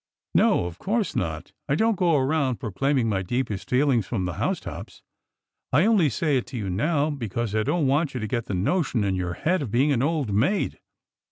No, of course not. I don't go around proclaiming my deepest feelkigs from the house tops. I only say it to you now because I don't want you to get the notion in your head of being an old maid.